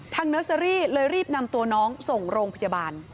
เนอร์เซอรี่เลยรีบนำตัวน้องส่งโรงพยาบาล